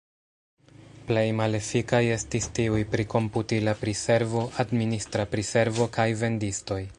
Plej malefikaj estis tiuj pri komputila priservo, administra priservo kaj vendistoj.